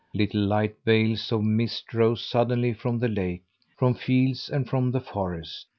Little light veils of mist rose suddenly from the lake, from fields, and from the forest.